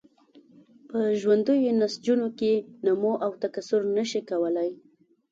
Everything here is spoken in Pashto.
په ژوندیو نسجونو کې نمو او تکثر نشي کولای.